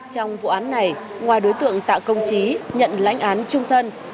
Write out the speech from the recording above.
trong vụ án này ngoài đối tượng tạo công trí nhận lãnh án trung thân